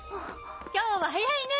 今日は早いね。